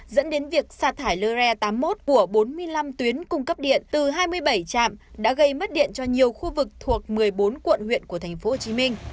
dẫn đến việc xa thải lơ re tám mươi một của bốn mươi năm tuyến cung cấp điện từ hai mươi bảy trạm đã gây mất điện cho nhiều khu vực thuộc một mươi bốn quận huyện của tp hcm